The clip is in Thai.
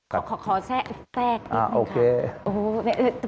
ขอแทรกนิดหน่อยค่ะ